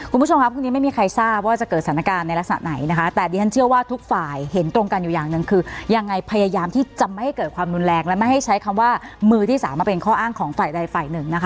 คุณผู้ชมครับพรุ่งนี้ไม่มีใครทราบว่าจะเกิดสถานการณ์ในลักษณะไหน